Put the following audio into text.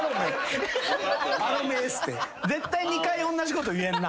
絶対２回おんなじこと言えんな。